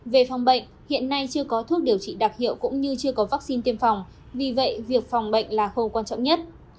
về phòng bệnh hiện nay chưa có thuốc điều trị đặc hiệu cũng như chưa có vaccine tiêm phòng vì vậy việc phòng bệnh là khâu quan trọng nhất